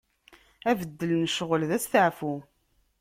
Abeddel n ccɣel, d asteɛfu.